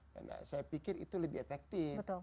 karena saya pikir itu lebih efektif